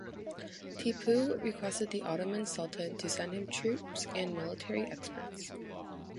Tipu requested the Ottoman sultan to send him troops and military experts.